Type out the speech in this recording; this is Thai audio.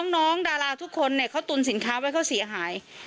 น้องดาราทุกคนเขาตุนสินค้าไว้เขาเสียหาย